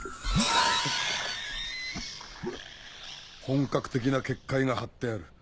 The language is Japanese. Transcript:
本格的な結界が張ってある。